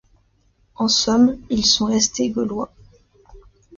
En somme ils sont restés Gaulois.